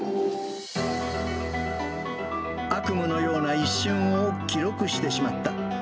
悪夢のような一瞬を記録してしまった。